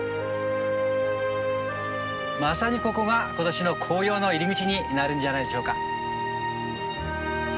まさにここが今年の紅葉の入り口になるんじゃないでしょうか。